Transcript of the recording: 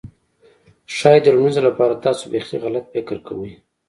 ښايي د لومړي ځل لپاره تاسو بيخي غلط فکر کوئ.